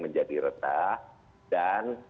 menjadi retah dan